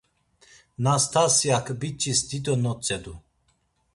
Nastasyak biç̌is dido notzedu.